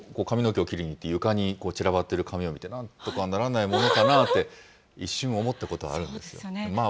私も髪の毛を切りに行って、床に散らばっている髪を見て、なんとかならないものかなって、一瞬思ったことはあるんですよ。